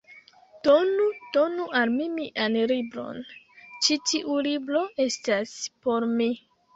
Donu, donu al mi mian libron! Ĉi tiu libro estas por mi